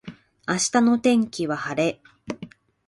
明日の天気は晴れ。